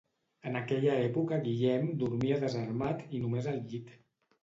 En aquella època Guillem dormia desarmat i només al llit.